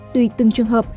tuỳ từng trường hợp